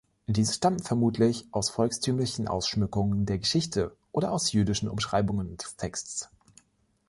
Diese stammen vermutlich aus volkstümlichen Ausschmückungen der Geschichte oder aus jüdischen Umschreibungen des Texts.